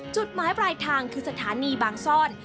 จุดหมายปลายทางคือสถานีบางซ่อน